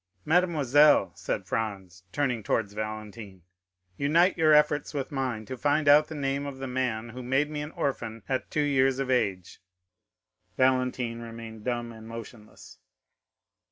"Mademoiselle," said Franz, turning towards Valentine, "unite your efforts with mine to find out the name of the man who made me an orphan at two years of age." Valentine remained dumb and motionless.